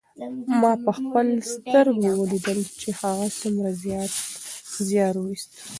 ما په خپلو سترګو ولیدل چې هغه څومره زیار ویوست.